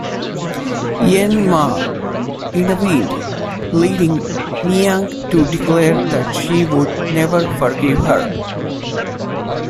Yen Mah intervened, leading Niang to declare that she would never forgive her.